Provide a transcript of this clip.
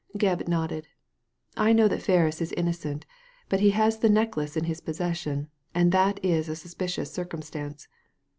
Gebb nodded. I know that Ferris is innocent, but he had the necklace in his possession, and that is a suspicious circumstance."